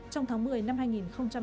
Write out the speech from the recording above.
trong tháng một mươi năm hai nghìn hai mươi